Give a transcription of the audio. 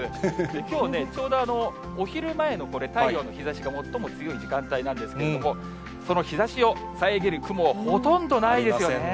きょうね、ちょうどお昼前のこれ、太陽の日ざしが最も強い時間帯なんですけれども、その日ざしを遮る雲、ほとんどないですよね。